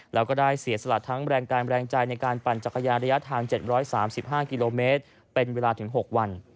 แล้วก็ได้เสียสละทั้งแรงกายแรงใจในการปั่นจักรยานระยะทาง๗๓๕กิโลเมตรเป็นเวลาถึง๖วัน